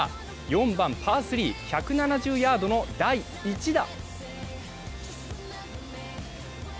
４番パー３、１７０ヤードの第１打。